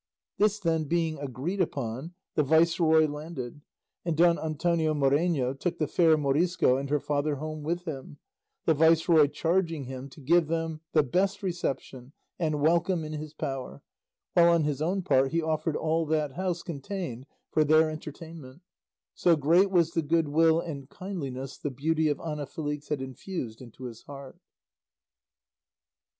This, then, being agreed upon, the viceroy landed, and Don Antonio Moreno took the fair Morisco and her father home with him, the viceroy charging him to give them the best reception and welcome in his power, while on his own part he offered all that house contained for their entertainment; so great was the good will and kindliness the beauty of Ana Felix had infused into his heart.